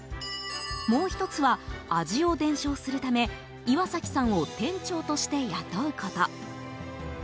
もう１つは、味を伝承するため岩崎さんを店長として雇うこと。